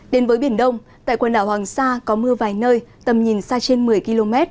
đến với biển đông tại quần đảo hoàng sa có mưa vài nơi tầm nhìn xa trên một mươi km